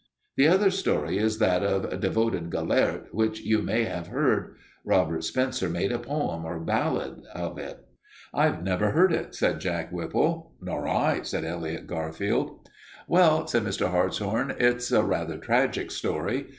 "The other story is that of devoted Gelert which you may have heard. Robert Spencer made a poem or ballad of it." "I've never heard it," said Jack Whipple. "Nor I," said Elliot Garfield. "Well," said Mr. Hartshorn, "it's a rather tragic story.